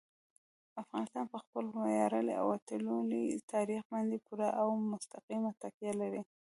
افغانستان په خپل ویاړلي او اتلولۍ تاریخ باندې پوره او مستقیمه تکیه لري.